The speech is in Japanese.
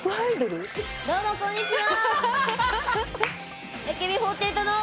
どうもこんにちは。